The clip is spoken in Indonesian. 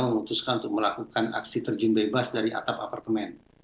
memutuskan untuk melakukan aksi terjun bebas dari atap apartemen